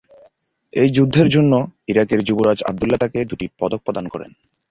এই যুদ্ধের জন্য ইরাকের যুবরাজ আবদুল্লাহ তাকে দুটি পদক প্রদান করেন।